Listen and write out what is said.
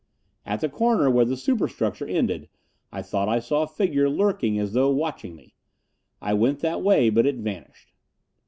At the corner where the superstructure ended, I thought I saw a figure lurking as though watching me. I went that way, but it vanished.